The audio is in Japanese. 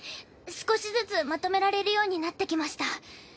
少しずつまとめられるようになってきました。